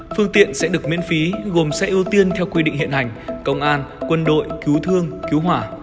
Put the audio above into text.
phương tiện sẽ được miễn phí gồm xe ưu tiên theo quy định hiện hành công an quân đội cứu thương cứu hỏa